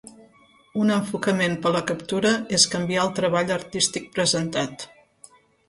Un enfocament per a la captura és canviar el treball artístic presentat.